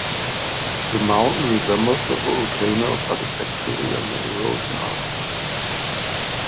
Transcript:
The mountain resembles a volcano but is actually an erosion artifact.